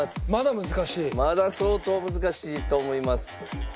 まだ相当難しいと思います。